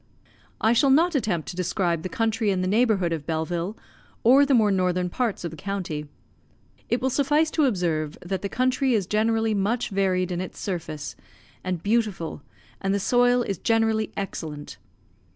I shall not attempt to describe the country in the neighbourhood of Belleville, or the more northern parts of the county. It will suffice to observe, that the country is generally much varied in its surface, and beautiful, and the soil is generally excellent.